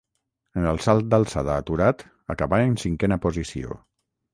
En el salt d'alçada aturat acabà en cinquena posició.